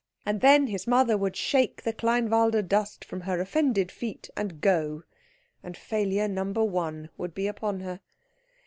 And then his mother would shake the Kleinwalde dust from her offended feet and go, and failure number one would be upon her.